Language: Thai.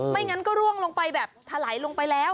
งั้นก็ร่วงลงไปแบบถลายลงไปแล้ว